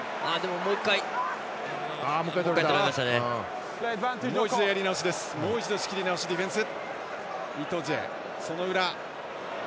もう一度、仕切り直しディフェンス。